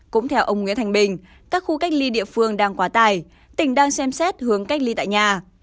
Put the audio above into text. cũng theo ông nguyễn thành bình các khu cách ly địa phương đang quá tải tỉnh đang xem xét hướng cách ly tại nhà